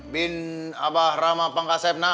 bin abah ramah pangkasepna